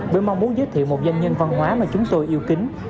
bởi mong muốn giới thiệu một danh nhân văn hóa mà chúng tôi yêu kính